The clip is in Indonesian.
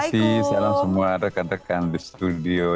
terima kasih salam semua rekan rekan di studio